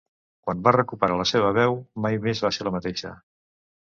Quan va recuperar la seva veu, mai més va ser la mateixa.